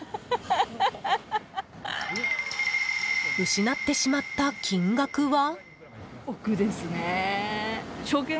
失ってしまった金額は？